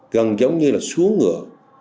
gần giống như là xuống ngựa